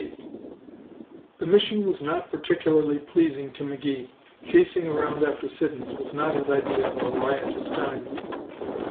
3 The mission was not particularly pleasing to McGee. Chasing around after Siddons was not his idea of a riotous time.